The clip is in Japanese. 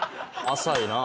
浅いなあ。